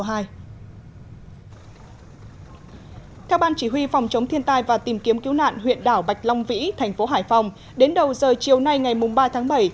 theo ban chỉ huy phòng chống thiên tai và tìm kiếm cứu nạn huyện đảo bạch long vĩ thành phố hải phòng đến đầu giờ chiều nay ngày ba tháng bảy